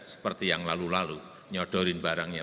seperti yang lalu lalu nyodorin barangnya